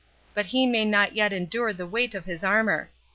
But he may not yet endure the weight of his armour.